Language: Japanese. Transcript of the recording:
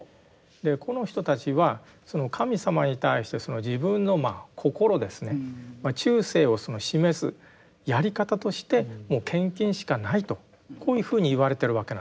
この人たちはその神様に対して自分の心ですね忠誠を示すやり方としてもう献金しかないとこういうふうに言われてるわけなんですね。